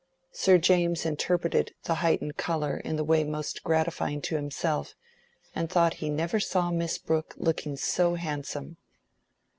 Sir James interpreted the heightened color in the way most gratifying to himself, and thought he never saw Miss Brooke looking so handsome.